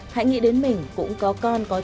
hãy nghĩ đến mình cũng có con có trẻ